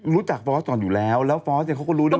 รู้จักฟอสก่อนอยู่แล้วแล้วฟอสก็รู้ด้วยว่า